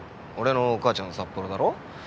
俺のお母ちゃん札幌だろ。